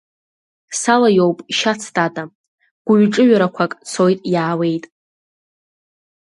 Салаиоуп шьац тата, гәыҩ-ҿыҩрақәак цоит-иаауеит.